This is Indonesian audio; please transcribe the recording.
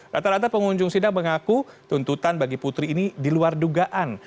rata rata pengunjung sidang mengaku tuntutan bagi putri ini diluar dugaan